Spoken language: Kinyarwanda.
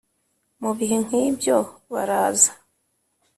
Mu bihe nk ibyo baraza